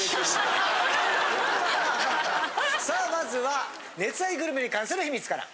さあまずは熱愛グルメに関する秘密から。